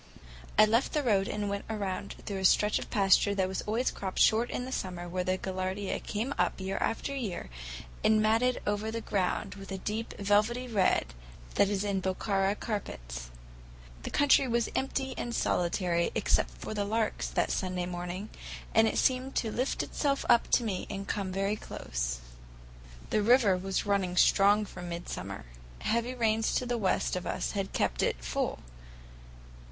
I left the road and went around through a stretch of pasture that was always cropped short in summer, where the gaillardia came up year after year and matted over the ground with the deep, velvety red that is in Bokhara carpets. The country was empty and solitary except for the larks that Sunday morning, and it seemed to lift itself up to me and to come very close. The river was running strong for midsummer; heavy rains to the west of us had kept it full.